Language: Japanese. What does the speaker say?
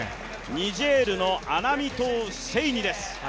ニジェールのアミナトウ・セイニです。